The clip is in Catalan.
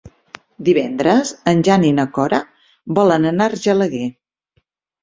Divendres en Jan i na Cora volen anar a Argelaguer.